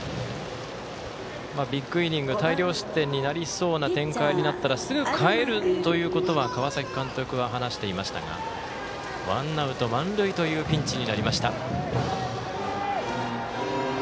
ビッグイニング大量失点になりそうな展開になったらすぐ代えるということは川崎監督は話していましたがワンアウト、満塁というピンチになりました。